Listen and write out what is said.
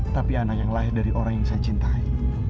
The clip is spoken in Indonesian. tapi anak yang lahir dari orang yang saya cintai